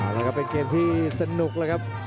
อื้อฮือเป็นเกณฑ์ที่สนุกเลยครับ